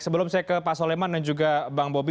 sebelum saya ke pak soleman dan juga bang bobi